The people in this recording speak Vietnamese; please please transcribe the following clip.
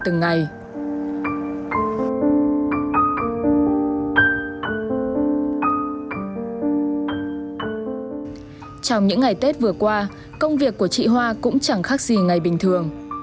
ngày tết vừa qua công việc của chị hoa cũng chẳng khác gì ngày bình thường